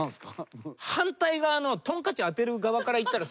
反対側のトンカチ当てる側からいったら。